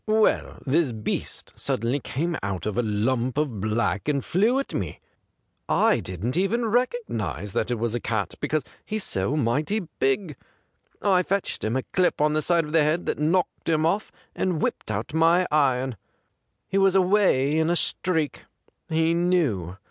Well, this beast suddenly came out of a lump of black and flew at me. I didn't even recognise that it was a cat, because he's so mighty big. I fetched him a clip on the side of the head that 177 THE GRAY CAT knocked him oflP, and whipped out ray ii'on. He was away in a streak. He knew.